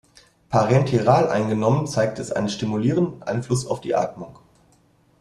Parenteral eingenommen, zeigt es einen stimulierenden Einfluss auf die Atmung.